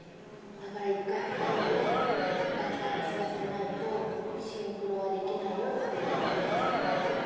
だから一回、肺を爆発させないとシンクロはできないよって。